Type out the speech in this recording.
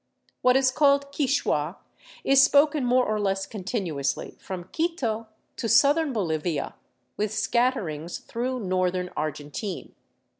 What is called Quichua is spoken more or less continuously from Quito to southern Bolivia, with scatterings through northern Argentine.